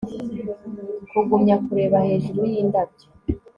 Kugumya kureba hejuru yindabyo